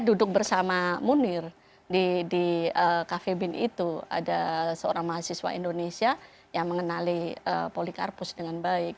duduk bersama munir di cafe bin itu ada seorang mahasiswa indonesia yang mengenali polikarpus dengan baik